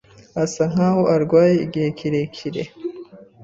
Asa nkaho arwaye igihe kirekire.